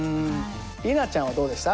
里奈ちゃんはどうでした？